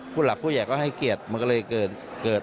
ผู้หลักผู้ใหญ่ก็ให้เกียรติมันก็เลยเกิด